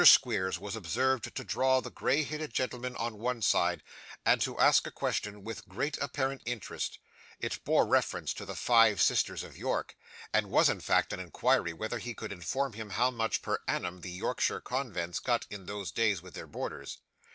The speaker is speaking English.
Squeers was observed to draw the grey headed gentleman on one side, and to ask a question with great apparent interest; it bore reference to the Five Sisters of York, and was, in fact, an inquiry whether he could inform him how much per annum the Yorkshire convents got in those days with their boarders.